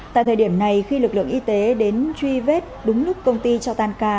tại thời điểm này khi lực lượng y tế đến truy vết đúng lúc công ty cho tan ca